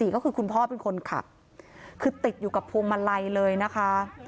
ก็คือคุณพ่อเป็นคนขับคือติดอยู่กับพวงมาลัยเลยนะคะ